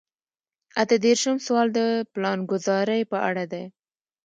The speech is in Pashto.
اته دېرشم سوال د پلانګذارۍ په اړه دی.